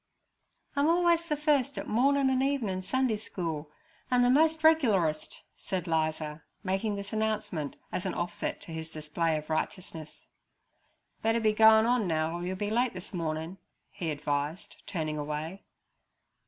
'I'm orlways ther first at mornin' an' evenin Sundee schule, an' ther most reglerestest' said Liza, making this announcement as an offset to his display of righteousness. 'Better be goin' on now or you'll be late this mornin" he advised, turning away.